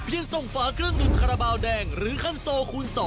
ยังส่งฝาเครื่องดื่มคาราบาลแดงหรือคันโซคูณ๒